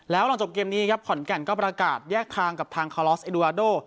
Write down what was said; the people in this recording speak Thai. แล้วหลังจบเกมนี้ครับขอนแก่นก็ประกาศแยกทางกับทางคอลอสเอดูวาโด